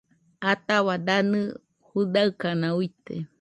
Ataua danɨ judaɨkana uite